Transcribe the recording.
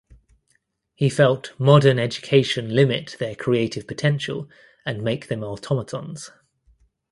He felt modern education limit their creative potential and make them automatons.